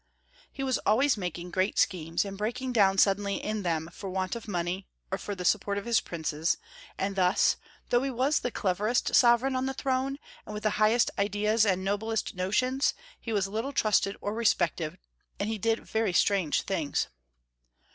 He was always making great schemes, and break ing down suddenly in them for want of money, or of the support of his princes, and thus, though he was the cleverest sovereign on the throne, and with the highest ideas and noblest notions, he was little trusted or respected, and he did very strange things.